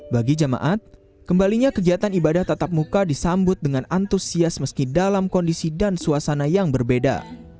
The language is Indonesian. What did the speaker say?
bagi jemaat kembalinya kegiatan ibadah tatap muka disambut dengan antusias meski dalam kondisi dan suasana yang berbeda